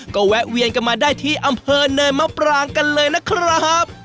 ก็แวะเวียนกันมาได้ที่อำเภอเนินมะปรางกันเลยนะครับ